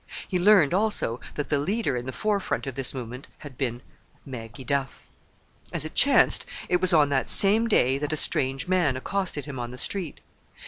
He learned also that the leader in the forefront of this movement had been—Maggie Duff. As it chanced, it was on that same day that a strange man accosted him on the street.